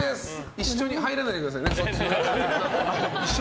一緒にはねないでくださいね。